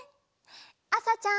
あさちゃん。